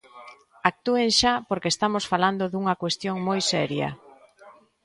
Actúen xa porque estamos falando dunha cuestión moi seria.